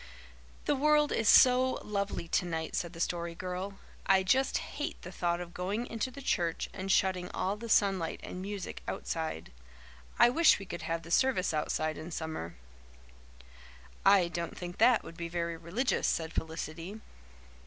"The world is so lovely tonight," said the Story Girl. "I just hate the thought of going into the church and shutting all the sunlight and music outside. I wish we could have the service outside in summer." "I don't think that would be very religious," said Felicity.